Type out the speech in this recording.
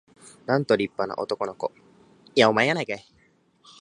なんと立派な男の子